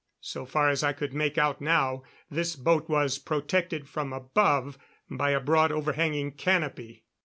So far as I could make out now, this boat was protected from above by a broad overhanging canopy.